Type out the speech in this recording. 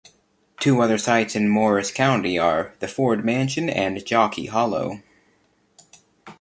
Two other sites in Morris County are the Ford Mansion and Jockey Hollow.